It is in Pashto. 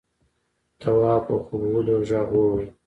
تواب په خوبولي غږ وويل: